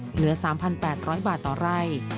เหลือ๓๘๐๐บาทต่อไร่